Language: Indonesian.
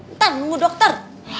ntar nunggu dokter